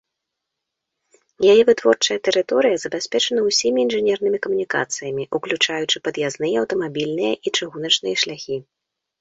Яе вытворчая тэрыторыя забяспечана ўсімі інжынернымі камунікацыямі, уключаючы пад'язныя аўтамабільныя і чыгуначныя шляхі.